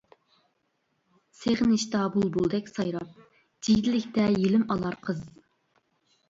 سېغىنىشتا بۇلبۇلدەك سايراپ، جىگدىلىكتە يىلىم ئالار قىز.